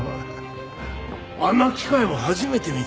あんな機械も初めて見たな。